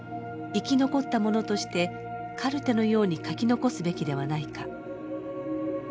生き残った者としてカルテのように書き残すべきではないか。